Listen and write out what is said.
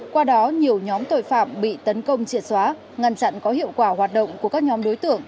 qua đó nhiều nhóm tội phạm bị tấn công triệt xóa ngăn chặn có hiệu quả hoạt động của các nhóm đối tượng